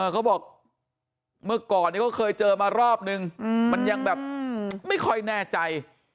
เขาบอกเมื่อก่อนนี้เขาเคยเจอมารอบนึงมันยังแบบไม่ค่อยแน่ใจ